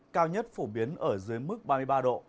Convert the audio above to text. cao nhất phổ biến ở dưới mức ba mươi ba độ